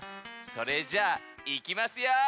それじゃあいきますよ。